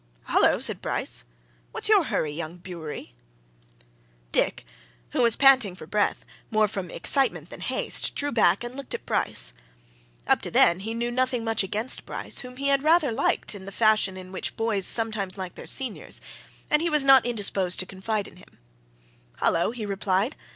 "Hullo!" said Bryce. "What's your hurry, young Bewery?" Dick, who was panting for breath, more from excitement than haste, drew back and looked at Bryce. Up to then he knew nothing much against Bryce, whom he had rather liked in the fashion in which boys sometimes like their seniors, and he was not indisposed to confide in him. "Hullo!" he replied.